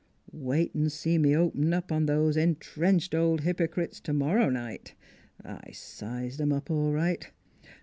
Wait an' see me open up on those intrenched old hypocrites tomorrow night. I sized 'em up all right